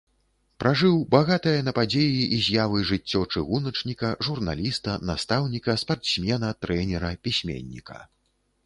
Пражыў багатае на падзеі і з'явы жыццё чыгуначніка, журналіста, настаўніка, спартсмена, трэнера, пісьменніка.